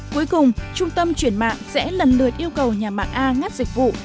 cuối cùng trung tâm chuyển mạng sẽ lần lượt yêu cầu nhà mạng a ngắt dịch vụ